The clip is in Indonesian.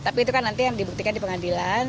tapi itu kan nanti yang dibuktikan di pengadilan